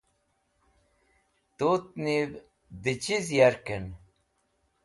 Tut niv dẽ chiz yarkẽn